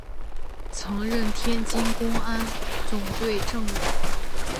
曾任天津公安总队政委。